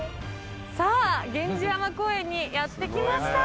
さあ源氏山公園にやって来ました。